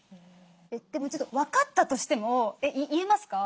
でも分かったとしても言えますか？